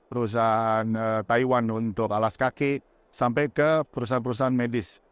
perusahaan taiwan untuk alas kaki sampai ke perusahaan perusahaan medis